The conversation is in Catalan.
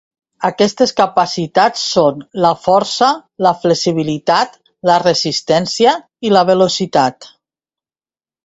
Aquestes capacitats són la força, la flexibilitat, la resistència i la velocitat.